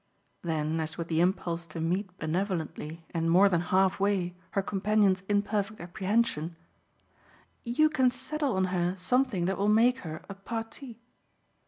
Then as with the impulse to meet benevolently and more than halfway her companion's imperfect apprehension: "You can settle on her something that will make her a parti."